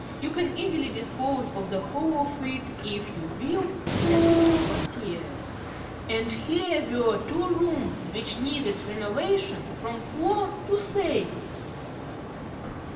You can easily dispose of the whole of it, if you will, in a single portière. And here were two rooms which needed renovation from floor to ceiling!